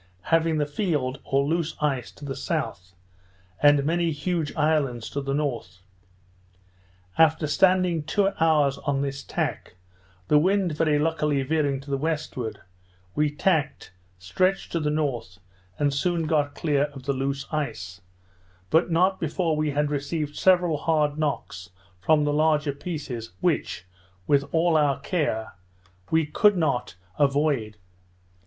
having the field, or loose ice, to the south, and many huge islands to the north. After standing two hours on this tack, the wind very luckily veering to the westward, we tacked, stretched to the north, and soon got clear of the loose ice; but not before we had received several hard knocks from the larger pieces, which, with all our care, we could not avoid.